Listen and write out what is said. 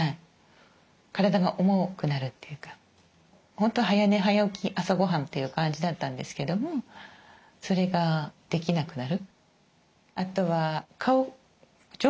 本当は早寝早起き朝ごはんという感じだったんですけどもそれができなくなる。